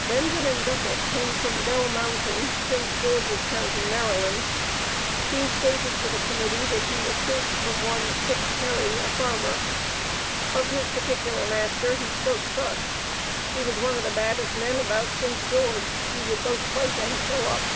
Benjamin Ducket came from Bell Mountain, Prince George's Co., Maryland. He stated to the Committee that he escaped from one Sicke Perry, a farmer. Of his particular master he spoke thus: "He was one of the baddest men about Prince George; he would both fight and kill up."